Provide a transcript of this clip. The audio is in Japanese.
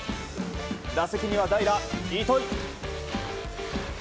打席には代打、糸井。